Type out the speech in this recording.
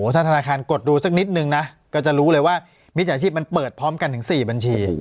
ถ้าธนาคารกดดูสักนิดนึงนะก็จะรู้เลยว่ามิจฉาชีพมันเปิดพร้อมกันถึง๔บัญชี